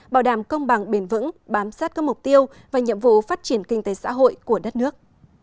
bảo đảm công bằng bền vững bám sát các mục tiêu và nhiệm vụ phát triển kinh tế xã hội của đất nước